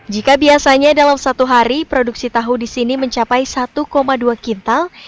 jika biasanya dalam satu hari produksi tahu di sini mencapai satu dua kintal